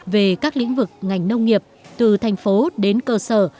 về các lĩnh vực ngành nông nghiệp từ thành phố đến cơ sở